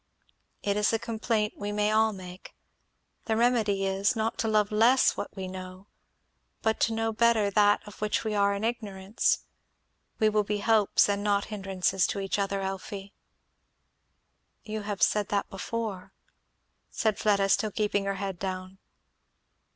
"It is a complaint we may all make. The remedy is, not to love less what we know, but to know better that of which we are in ignorance. We will be helps and not hindrances to each other, Elfie." "You have said that before," said Fleda still keeping her head down.